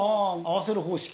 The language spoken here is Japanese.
合わせる方式。